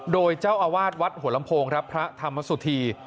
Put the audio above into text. โดยเจ้าอาวาสวัดหัวลำโพงครับพระธรรมสุธี